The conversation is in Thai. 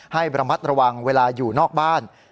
ให้ระมัดระวังเวลาอยู่นอกบ้าน